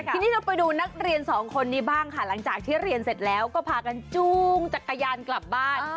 ทีนี้เราไปดูนักเรียนสองคนนี้บ้างค่ะหลังจากที่เรียนเสร็จแล้วก็พากันจูงจักรยานกลับบ้าน